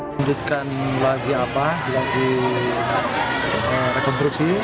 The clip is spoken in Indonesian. lanjutkan lagi apa lagi rekonstruksi